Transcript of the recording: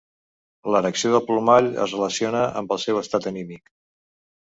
L'erecció del plomall es relaciona amb el seu estat anímic.